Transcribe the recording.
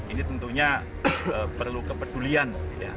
ini tentunya perlu kepedulian